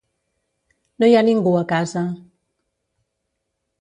No hi ha ningú a casa.